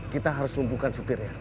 kita harus lumpuhkan supirnya